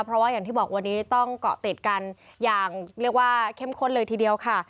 เพราะว่าอย่างที่บอกวันนี้ต้องเกาะติดกันอย่างเรียกว่าเข้มข้นเลยทีเดียวค่ะ